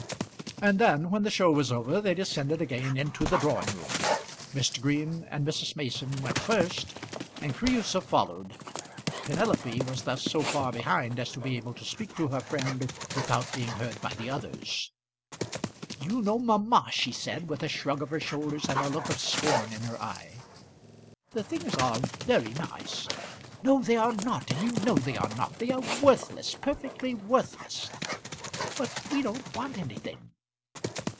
And then, when the show was over, they descended again into the drawing room, Mr. Green and Mrs. Mason went first, and Creusa followed. Penelope was thus so far behind as to be able to speak to her friend without being heard by the others. "You know mamma," she said, with a shrug of her shoulders and a look of scorn in her eye. "The things are very nice." "No, they are not, and you know they are not. They are worthless; perfectly worthless." "But we don't want anything."